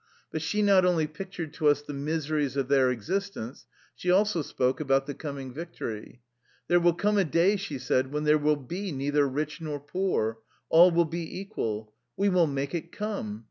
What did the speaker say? But she not only pictured to us the miseries of their existence, she also spoke about the coming victory. " There will come a day/' she said, " when there will be neither rich nor poor: all will be equal. We will make it gome.